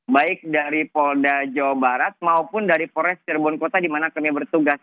baik dari polda jawa barat maupun dari polres cirebon kota di mana kami bertugas